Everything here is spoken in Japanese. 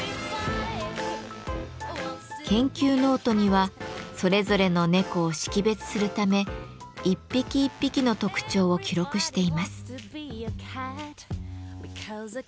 研究ノートにはそれぞれの猫を識別するため１匹１匹の特徴を記録しています。